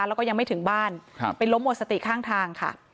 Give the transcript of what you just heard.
แล้วก็ยังไม่ถึงบ้านไปล้มหมดสติข้างทางค่ะ